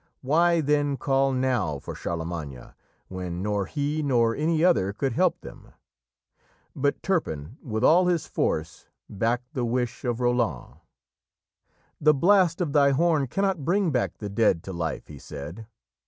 Why, then, call now for Charlemagne, when nor he nor any other could help them? But Turpin with all his force backed the wish of Roland. "The blast of thy horn cannot bring back the dead to life," he said.